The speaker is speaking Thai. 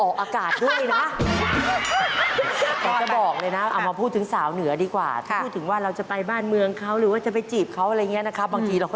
ขอให้ถูกนะจะได้ถ่ายของเสร็จเลยนะคะ